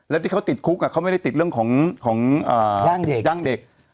แล้วที่เขาติดคุกเขาไม่ได้ติดเรื่องของย่างเด็ก